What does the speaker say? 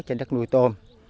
trên đất nuôi tôm